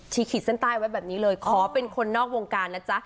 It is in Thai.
ขีดเส้นใต้ไว้แบบนี้เลยขอเป็นคนนอกวงการนะจ๊ะ